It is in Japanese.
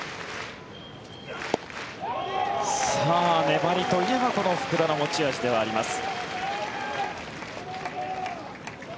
粘りといえばこの福田の持ち味でもあります。